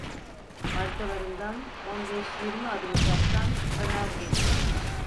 Arkalarından, on beş yirmi adım uzaktan Ömer geliyordu.